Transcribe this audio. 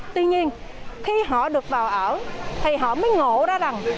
tuy nhiên khi họ được vào ở thì họ mới ngộ ra rằng